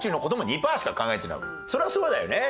そりゃそうだよね。